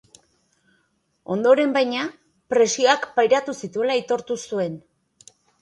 Ondoren, baina, presioak pairatu zituela aitortu zuen.